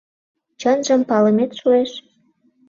— Чынжым палымет шуэш?